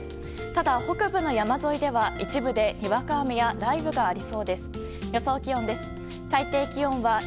ただ、北部の山沿いでは一部で、にわか雨や雷雨がありそうです。